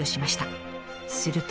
すると。